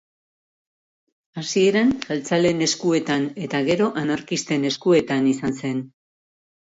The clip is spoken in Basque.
Hasieran jeltzaleen eskuetan eta gero anarkisten eskuetan izan zen.